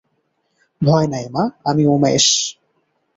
ভয় নাই মা, আমি উমেশ।